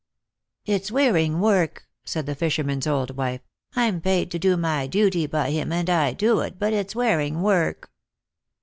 "It's wearing work," said the fisherman's old wife; "I'm paid to do my duty by him, and I do it, but it's wearing work."